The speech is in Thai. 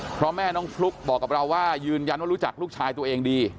เพราะแม่น้องฟลุ๊กบอกกับเราว่ายืนยันว่ารู้จักลูกชายตัวเองดี